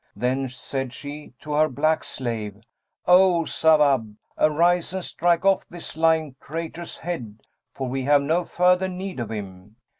Then said she to her black slave, 'O Sawбb, arise and strike off this lying traitor's head, for we have no further need of him.'